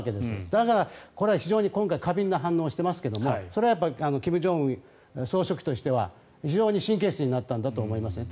だから、これは非常に今回過敏な反応をしていますがそれは金正恩総書記としては非常に神経質になったんだと思いますね。